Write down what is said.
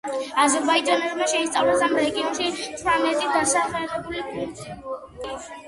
აზერბაიჯანელებმა შეისწავლეს ამ რეგიონში თვრამეტი დასახლებული პუნქტი.